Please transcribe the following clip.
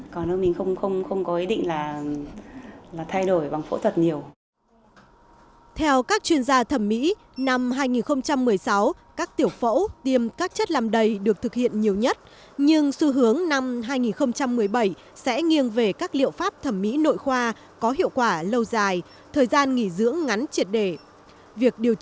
cho nên mình cũng có một lời khuyên với kẻ giống mình giống việt nam